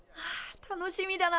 楽しみだな。